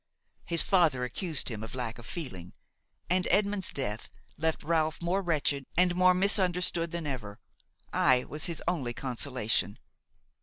His father accused him of lack of feeling, and Edmond's death left Ralph more wretched and more misunderstood than ever. I was his only consolation."